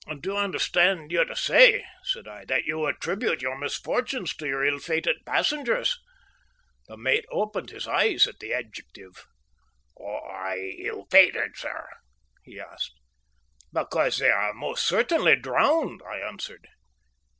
"Do I understand you to say," said I, "that you attribute your misfortunes to your ill fated passengers?" The mate opened his eyes at the adjective. "Why ill fated, sir?" he asked. "Because they are most certainly drowned," I answered.